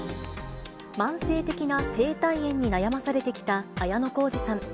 慢性的な声帯炎に悩まされてきた綾小路さん。